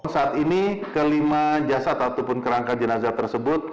saat ini kelima jasad ataupun kerangka jenazah tersebut